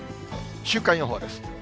週間予報です。